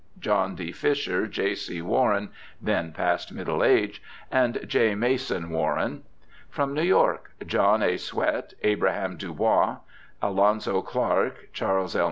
John D. Fisher, J. C. Warren (then past middle age), and J. Mason Warren. From New York : John A. Swett, Abraham Dubois, Alonzo Clark, Charles L.